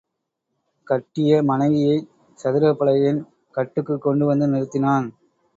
கட்டிய மனைவியைச் சதுரப்பலகையின் கட்டுக்குக் கொண்டு வந்து நிறுத்தினான்.